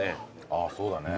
ああそうだね。